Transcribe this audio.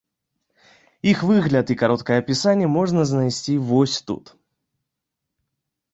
Іх выгляд і кароткае апісанне можна знайсці вось тут.